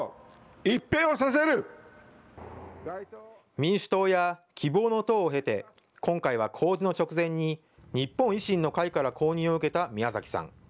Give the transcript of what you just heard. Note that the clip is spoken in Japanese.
民主党や希望の党を経て、今回は公示の直前に日本維新の会から公認を受けた宮崎さん。